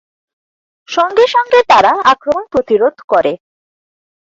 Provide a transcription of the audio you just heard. সঙ্গে সঙ্গে তারা আক্রমণ প্রতিরোধ করে।